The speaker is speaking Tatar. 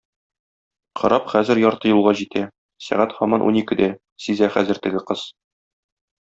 Кораб хәзер ярты юлга җитә, сәгать һаман уникедә, сизә хәзер теге кыз.